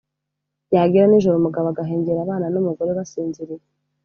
Byagera nijoro umugabo agahengera abana n’umugore basinziriye,